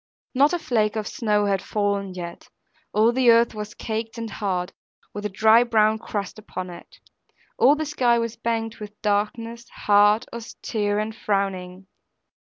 Not a flake of snow had fallen yet; all the earth was caked and hard, with a dry brown crust upon it; all the sky was banked with darkness, hard, austere, and frowning.